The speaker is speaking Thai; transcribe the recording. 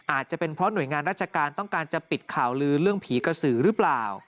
อาจจะเป็นเพราะหน่วยงานราชการต้องการจะปิดข่าวลือเรื่องผีกระสือหรือเปล่า